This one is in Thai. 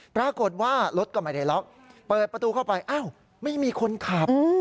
ปรากฏว่ารถก็ไม่ได้ล็อกเปิดประตูเข้าไปอ้าวไม่มีคนขับ